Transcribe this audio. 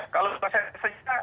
kalau mau saya cerita